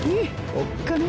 おっかねぇ。